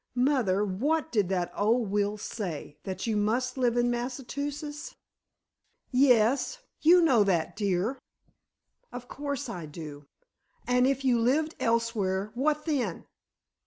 Mother, what did that old will say? That you must live in Massachusetts?" "Yes—you know that, dear." "Of course I do. And if you lived elsewhere, what then?"